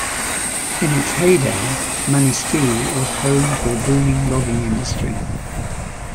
In its heyday, Manistee was home to a booming logging industry.